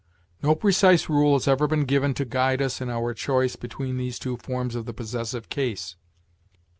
No precise rule has ever been given to guide us in our choice between these two forms of the possessive case.